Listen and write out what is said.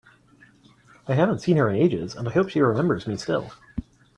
I haven’t seen her in ages, and I hope she remembers me still!